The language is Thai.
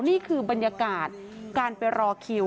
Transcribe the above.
นี่คือบรรยากาศการไปรอคิว